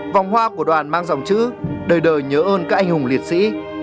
vòng hoa của đoàn mang dòng chữ đời đời nhớ ơn các anh hùng liệt sĩ